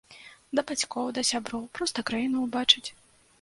Да бацькоў, да сяброў, проста краіну ўбачыць.